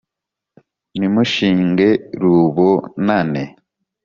Nimushinge rubonane!”